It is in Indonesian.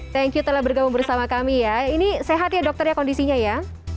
thank you telah bergabung bersama kami ya ini sehat ya dokter ya kondisinya ya